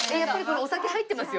お酒入ってますよ。